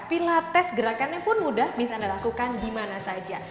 pilates gerakannya pun mudah bisa anda lakukan di mana saja